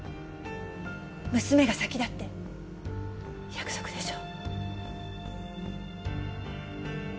娘が先だって約束でしょ？